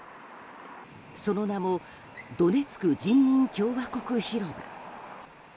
その名もドネツク人民共和国広場。